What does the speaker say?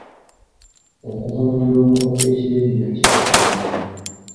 Okuva mu ndongo ekiro ennyo kiba kya bulabe.